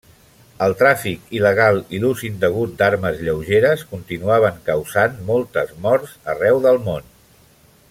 El tràfic il·legal i l'ús indegut d'armes lleugeres continuaven causant moltes morts arreu del món.